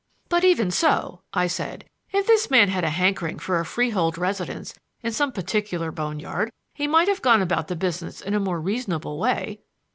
"But even so," I said, "if this man had a hankering for a freehold residence in some particular bone yard, he might have gone about the business in a more reasonable way."